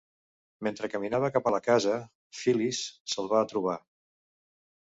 Mentre caminava cap a la casa, Phyllis se'l va trobar.